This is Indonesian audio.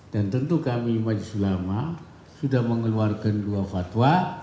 dan tentu kami majelis ulama sudah mengeluarkan dua fatwa